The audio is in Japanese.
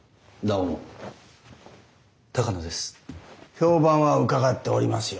評判は伺っておりますよ